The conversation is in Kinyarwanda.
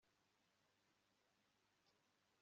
Ibyo bandembye nta kavuro